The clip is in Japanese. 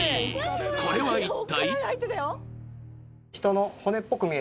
これは一体？